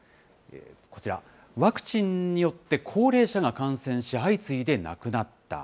こちら、ワクチンによって高齢者が感染し、相次いで亡くなった。